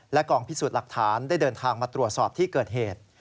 กองพิสูจน์หลักฐานได้เดินทางมาตรวจสอบที่เกิดเหตุ